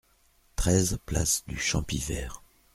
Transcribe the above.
treize place du Champivert